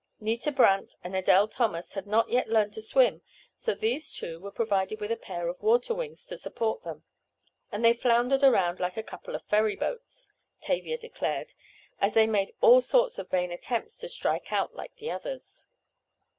Nita Brandt and Adele Thomas had not yet learned to swim, so these two were provided with a pair of water wings to support them, and they "floundered around like a couple of ferry boats," Tavia declared, as they made all sorts of vain attempts to strike out like the others.